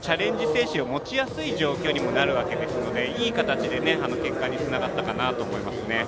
精神を持ちやすい状況にもなるわけですのでいい形で結果につながったかなと思います。